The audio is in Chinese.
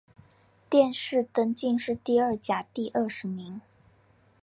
殿试登进士第二甲第二十名。